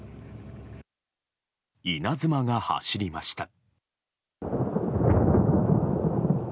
稲妻が走りました。